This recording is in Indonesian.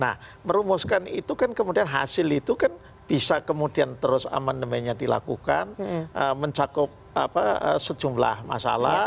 nah merumuskan itu kan kemudian hasil itu kan bisa kemudian terus amandemennya dilakukan mencakup sejumlah masalah